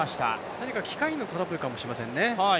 何か機械のトラブルかもしれませんね。